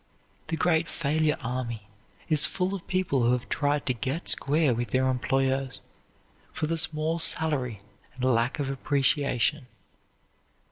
The great failure army is full of people who have tried to get square with their employers for the small salary and lack of appreciation.